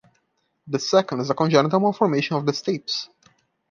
The second is a congenital malformation of the stapes.